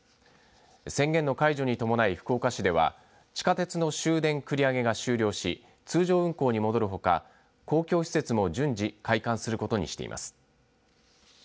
宣言の解除に伴い福岡市では地下鉄の終電繰り上げが終了し通常運行に戻るほか公共施設も順次開館することにしています。